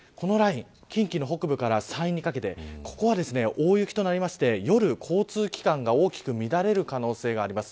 近畿北部から山陰にかけてここは大雪となって夜、交通機関が大きく乱れる可能性があります。